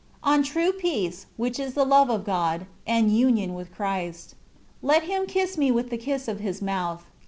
ON TRUE PEACE — ^WHICH IS THE LOVE OP GOD, AND UNION WITH CHBI8T. "Let him kiss me with the kiss of his mouth."